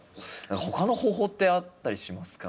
他の方法ってあったりしますか？